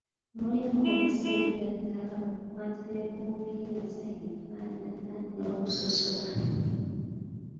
Mulimu okusingira ddala obukwatane bw’obuyinza, enfaanana, n’okusosola.